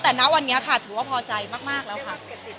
แต่ณวันนี้ค่ะถือว่าพอใจมากแล้วค่ะ